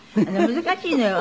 難しいのよ。